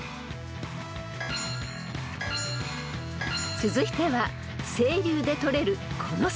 ［続いては清流でとれるこの魚］